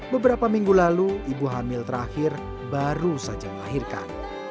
beberapa minggu lalu ibu hamil terakhir baru saja melahirkan